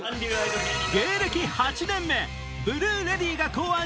芸歴８年目